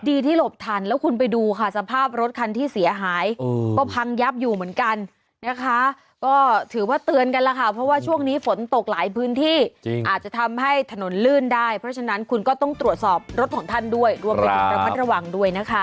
ที่หลบทันแล้วคุณไปดูค่ะสภาพรถคันที่เสียหายก็พังยับอยู่เหมือนกันนะคะก็ถือว่าเตือนกันแล้วค่ะเพราะว่าช่วงนี้ฝนตกหลายพื้นที่อาจจะทำให้ถนนลื่นได้เพราะฉะนั้นคุณก็ต้องตรวจสอบรถของท่านด้วยรวมไปถึงระมัดระวังด้วยนะคะ